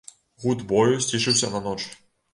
Гуд бою сцішыўся на ноч.